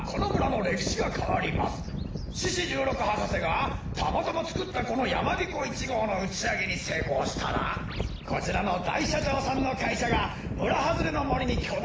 獅子じゅうろく博士がたまたまつくったこのやまびこ１ごうのうちあげにせいこうしたらこちらのだいしゃちょうさんのかいしゃがむらはずれのもりにきょだ